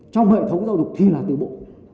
trong hệ thống giáo dục thì là từ bộ